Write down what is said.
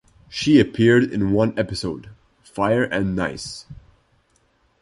She appeared in one episode, "Fire and Nice".